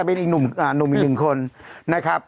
ขอบคุณหนุ่มหนูมอีนหนึ่งคนนะครับ